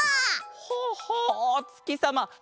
おつきさま！